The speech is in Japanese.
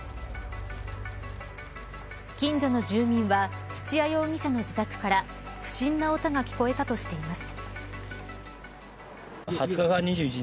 近所の住民は土屋容疑者の自宅から不審な音が聞こえたとしています。